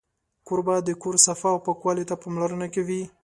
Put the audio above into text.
کوربه د کور صفا او پاکوالي ته پاملرنه کوي.